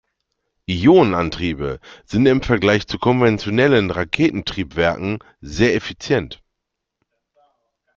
Ionenantriebe sind im Vergleich zu konventionellen Raketentriebwerken sehr effizient.